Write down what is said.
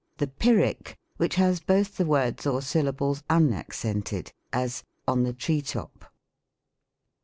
The Pyrrhic, which has both the words or sylla bles unaccented : as, "on the tree top."